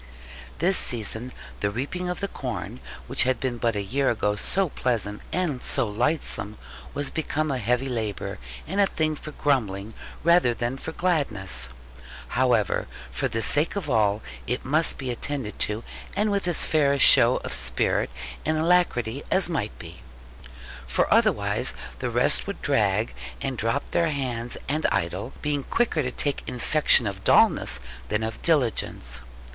This season, the reaping of the corn, which had been but a year ago so pleasant and so lightsome, was become a heavy labour, and a thing for grumbling rather than for gladness. However, for the sake of all, it must be attended to, and with as fair a show of spirit and alacrity as might be. For otherwise the rest would drag, and drop their hands and idle, being quicker to take infection of dullness than of diligence.